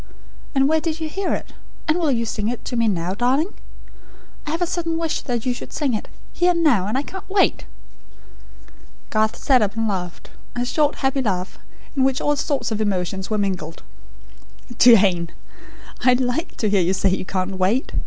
And where did you hear it? And will you sing it to me now, darling? I have a sudden wish that you should sing it, here and now; and I can't wait!" Garth sat up, and laughed a short happy laugh, in which all sorts of emotions were mingled. "Jane! I like to hear you say you can't wait.